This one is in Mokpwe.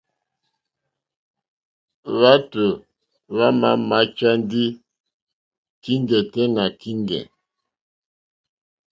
Hwátò hwámà máchá ndí kíŋgɛ̀ tɛ́ nà kíŋgɛ̀.